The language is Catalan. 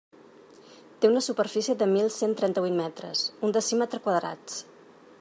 Té una superfície de mil cent trenta-vuit metres, un decímetre quadrats.